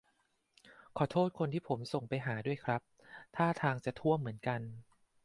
ขอโทษคนที่ผมส่งไปหาด้วยครับ ท่าทางจะท่วมเหมือนกัน